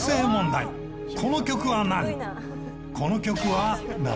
この曲は何？